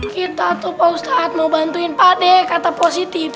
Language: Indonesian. kita tuh mau bantuin pade kata positif